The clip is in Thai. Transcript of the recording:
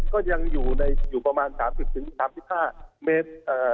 ก็ยังอยู่ประมาณ๓๐๓๕เมตร